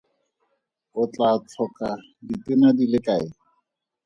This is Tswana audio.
O tla tlhoka ditena di le kae?